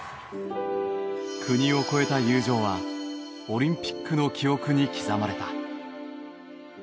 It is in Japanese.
国を超えた友情はオリンピックの記憶に刻まれた。